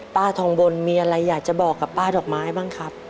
ป้าทองบนมีอะไรอยากจะบอกกับป้าดอกไม้บ้างครับ